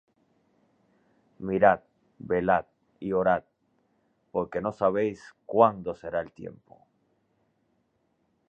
Mirad, velad y orad: porque no sabéis cuándo será el tiempo.